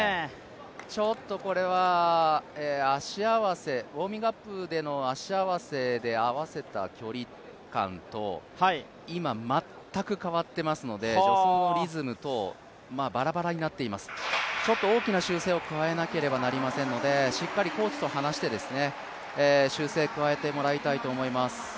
これはウォーミングアップでの足合わせで合わせた距離感と今、全く変わってますので、助走のリズムとバラバラになっています、大きな修正を加えなければなりませんのでしっかりコーチと話して修正を加えてもらいたいと思います。